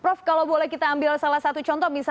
prof oke prof kalau boleh kita ambil salah satu contoh misalkan